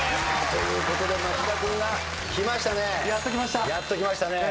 ということで町田君がきましたね。